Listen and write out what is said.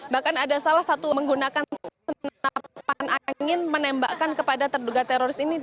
bahkan ada salah satu menggunakan senapan angin menembakkan kepada terduga teroris ini